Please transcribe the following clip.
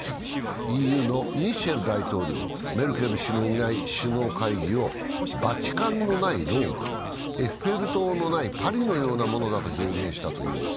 ＥＵのミシェル大統領、メルケル氏のいない首脳会議をバチカンのないローマ、エッフェル塔のないパリのようなものだと表現したといいます。